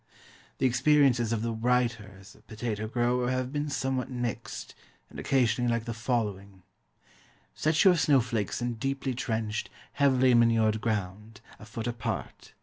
. The experiences of the writer as a potato grower have been somewhat mixed, and occasionally like the following: Set your snowflakes in deeply trenched, heavily manured ground, a foot apart.